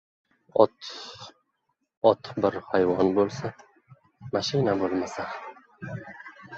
— Ot bir hayvon bo‘lsa, mashina bo‘lmasa.